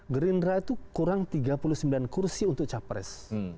gerindra itu kurang tiga puluh sembilan kursi untuk capres